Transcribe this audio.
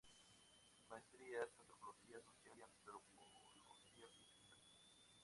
Maestrías; Antropología social y Antropología Física.